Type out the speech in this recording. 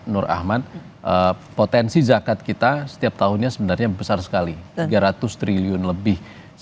nur ahmad potensi zakat kita setiap tahunnya sebenarnya besar sekali tiga ratus triliun lebih